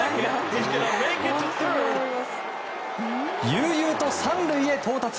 悠々と３塁へ到達！